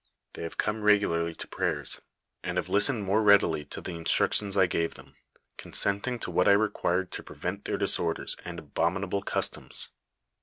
Tliey Imvo come reguliuly to prnyers, and have lia tened more readily to tlie instnictionB I gave tliem, consent ing to what I required to prevent their disorders and abom inable customs.